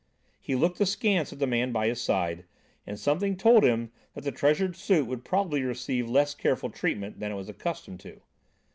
He looked askance at the man by his side and something told him that the treasured suit would probably receive less careful treatment than it was accustomed to.